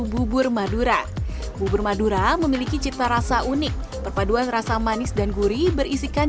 bubur madura bubur madura memiliki cita rasa unik perpaduan rasa manis dan gurih berisikan